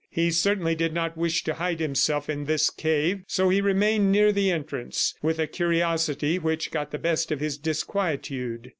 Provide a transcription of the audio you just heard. He certainly did not wish to hide himself in this cave, so he remained near the entrance, with a curiosity which got the best of his disquietude.